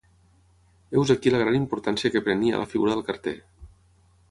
Heus aquí la gran importància que prenia la figura del carter.